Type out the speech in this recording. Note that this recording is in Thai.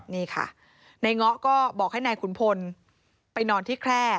นี่ค่ะนายเงาะก็บอกให้นายขุนพลไปนอนที่แคร่